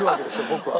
僕は。